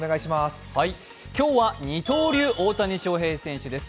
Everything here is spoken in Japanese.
今日は二刀流・大谷翔平選手です。